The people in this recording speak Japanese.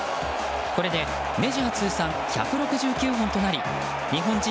これでメジャー通算１６９本となり日本人